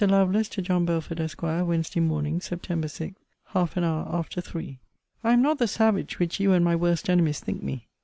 LOVELACE, TO JOHN BELFORD, ESQ. WED. MORN. SEPT. 6, HALF AN HOUR AFTER THREE. I am not the savage which you and my worst enemies think me.